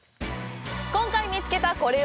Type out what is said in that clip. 今回見つけたコレ